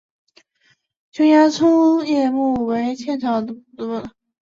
琼崖粗叶木为茜草科粗叶木属下的一个种。